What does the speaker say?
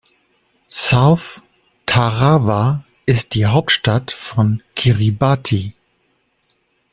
South Tarawa ist die Hauptstadt von Kiribati.